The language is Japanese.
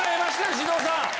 獅童さん。